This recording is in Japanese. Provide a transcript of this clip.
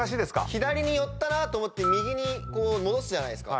左に寄ったなと思って右に戻すじゃないですか。